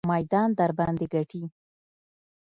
میدان درباندې ګټي.